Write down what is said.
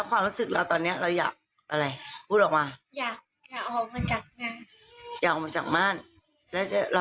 ถูกป้าตายได้หรือ